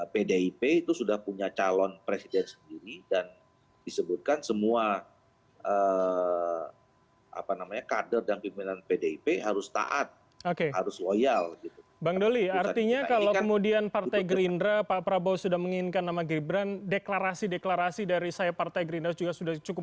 pdip itu sudah punya calon presiden sendiri dan disebutkan semua eeem